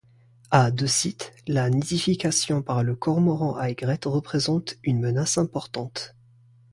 À deux sites, la nidification par le Cormoran à aigrettes représente une menace importante.